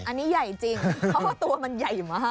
อันนี้ใหญ่จริงเพราะว่าตัวมันใหญ่มาก